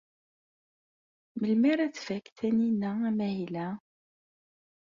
Melmi ara tfak Taninna amahil-a?